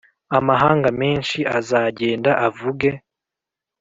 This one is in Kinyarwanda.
Amahanga menshi azagenda avuge